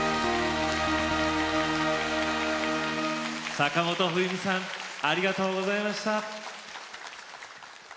坂本冬美さんありがとうございました。